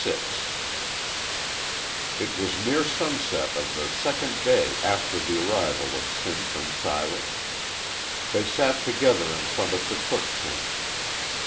VI IT was near sunset of the second day after the arrival of Sinth and Silas. They sat together in front of the cook tent.